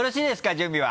準備は。